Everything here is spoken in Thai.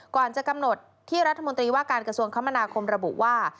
ก่อนจะกำหนดที่รัฐมนตรีว่าการกระทรวงคมนาคมระบุว่า